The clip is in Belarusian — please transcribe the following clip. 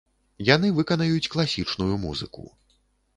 Яны выканаюць класічную музыку.